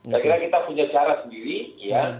saya kira kita punya cara sendiri ya